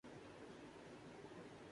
انگلیاں بھی دیکھائی نہیں دیتی